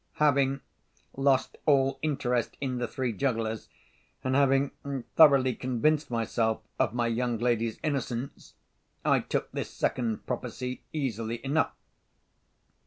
Having lost all interest in the three jugglers, and having thoroughly convinced myself of my young lady's innocence, I took this second prophecy easily enough.